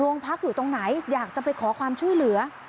พักอยู่ตรงไหนอยากจะไปขอความช่วยเหลือ